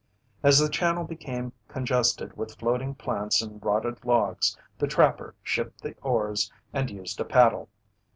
As the channel became congested with floating plants and rotted logs, the trapper shipped the oars and used a paddle.